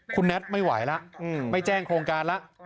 คุณแน็ตไม่ไหวล่ะอืมไม่แจ้งโครงการล่ะ